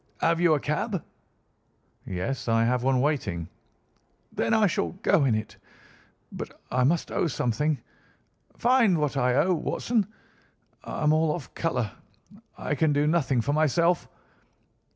Have you a cab?" "Yes, I have one waiting." "Then I shall go in it. But I must owe something. Find what I owe, Watson. I am all off colour. I can do nothing for myself."